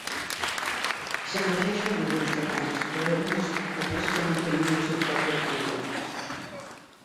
S'afegeixen alguns detalls per a alguns espectacles que no tenen el seu propi article.